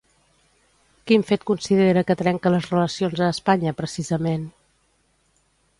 Quin fet considera que trenca les relacions a Espanya, precisament?